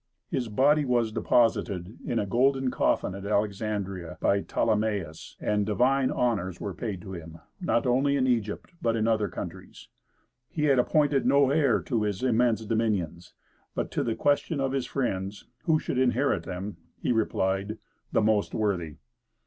His body was deposited in a golden coffin at Alexandria, by Ptolemæus, and divine honors were paid to him, not only in Egypt, but in other countries. He had appointed no heir to his immense dominions; but to the question of his friends, "Who should inherit them?" he replied, "The most worthy."